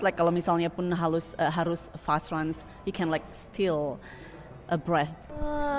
like kalau misalnya pun harus fast runs you can like steal a breath